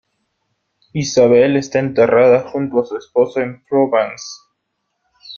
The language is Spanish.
Isabel está enterrada junto a su esposo en Provins.